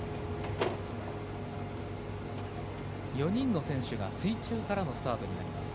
４人の選手が水中からのスタートになります。